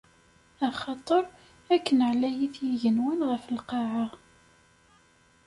Axaṭer, akken ɛlayit yigenwan ɣef lqaɛa.